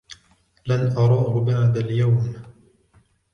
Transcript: لن أراه بعد اليوم.